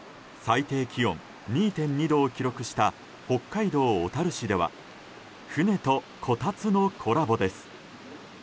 最低気温２．２度を記録した北海道小樽市では船とこたつのコラボです。